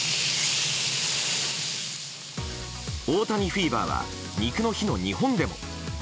大谷フィーバーは肉の日の日本でも。